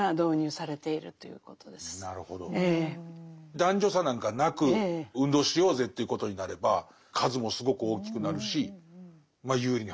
男女差なんかなく運動しようぜということになれば数もすごく大きくなるし有利に働くことが多いと。